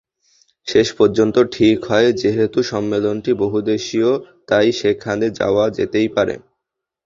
শেষ পর্যন্ত ঠিক হয়, যেহেতু সম্মেলনটি বহুদেশীয়, তাই সেখানে যাওয়া যেতেই পারে।